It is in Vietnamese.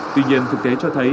tuy nhiên thực tế cho thấy